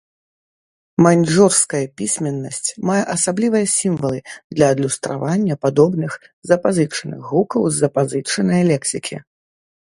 Маньчжурская пісьменнасць мае асаблівыя сімвалы для адлюстравання падобных запазычаных гукаў з запазычанае лексікі.